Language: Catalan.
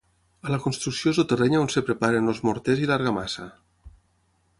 A la construcció és el terreny on es preparen els morters i l'argamassa.